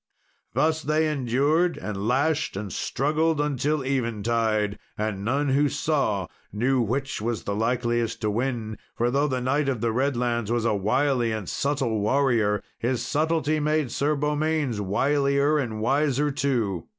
Thus they endured, and lashed, and struggled, until eventide, and none who saw knew which was the likeliest to win; for though the Knight of the Redlands was a wily and subtle warrior, his subtlety made Sir Beaumains wilier and wiser too.